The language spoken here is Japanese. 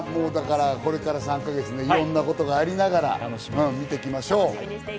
これから３か月、いろんなことがありながら、見ていきましょう。